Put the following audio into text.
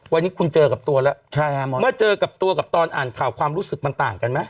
วันนี้คุณเจอกับตัวแล้วเมื่อเจอกับตัวกับตอนอ่านข่าวความรู้สึกมันต่างกันไหม